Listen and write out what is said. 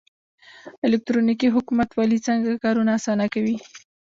الکترونیکي حکومتولي څنګه کارونه اسانه کوي؟